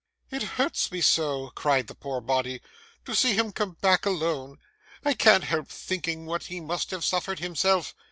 'It hurts me so,' cried the poor body, 'to see him come back alone. I can't help thinking what he must have suffered himself.